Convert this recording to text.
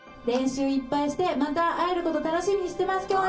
練習いっぱいしてまた会えること楽しみにしてます。